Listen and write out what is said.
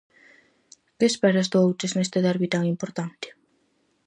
Que esperas do Outes neste derbi tan importante?